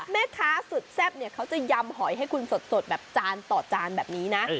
แม่ค้าสุดแซ่บเนี่ยเขาจะยำหอยให้คุณสดแบบจานต่อจานแบบนี้นะ